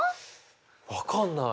分かんない。